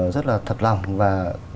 rất là thật lòng và